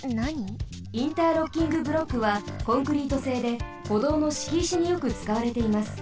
ロッキングブロックはコンクリートせいでほどうのしきいしによくつかわれています。